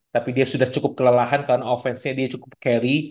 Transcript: tapi dia sudah cukup kelelahan karena offense nya dia cukup carry